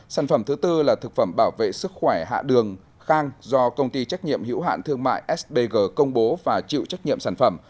sản phẩm thứ tư là thực phẩm bảo vệ sức khỏe hạ đường khang do công ty trách nhiệm hiểu hạn thương mại sbg công bố và chịu trách nhiệm sản phẩm